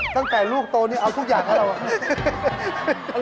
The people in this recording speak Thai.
ตั้งแต่ลูกโตนี่เอาทุกอย่างให้เราอะ